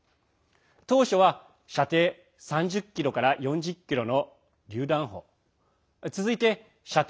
当初は射程３０ｋｍから４０ｋｍのりゅう弾砲続いて射程